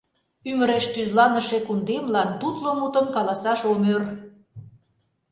Ӱмыреш тӱзланыше кундемлан тутло мутым каласаш ом ӧр.